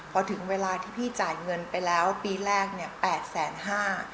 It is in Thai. พอถึงเวลาที่พี่จ่ายเงินไปแล้วปีแรกเนี่ยแปดแสนห้า